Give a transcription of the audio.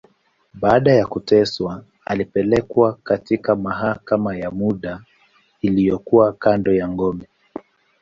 Baada ya kuteswa, alipelekwa katika mahakama ya muda, iliyokuwa kando ya ngome.